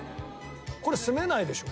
これ住めないでしょ？